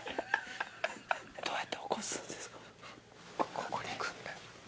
ここに来んだよ。